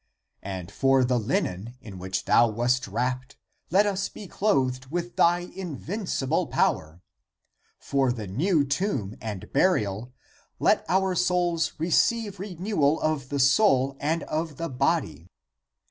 And for the linen,^ in which thou wast wrapped, let us be clothed with thy invincible power ; for the new tomb ^ and burial let our souls receive renewal of the soul and of the body.